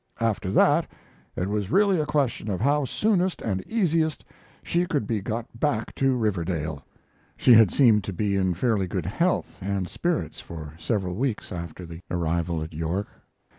After that it was really a question of how soonest and easiest she could be got back to Riverdale. She had seemed to be in fairly good health and spirits for several weeks after the arrival at York.